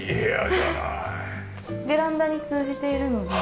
ベランダに通じているので。